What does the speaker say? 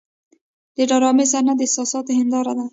د ډرامې صحنه د احساساتو هنداره ده.